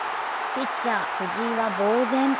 ピッチャー・藤井はぼう然。